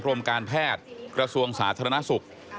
กรมการแพทย์กระทรวงสาธารณสุข